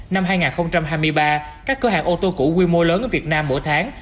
năm hai nghìn hai mươi ba các cửa hàng ô tô cũ quy mô lớn ở việt nam mỗi tháng